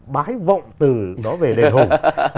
bái vọng từ đó về đền hùng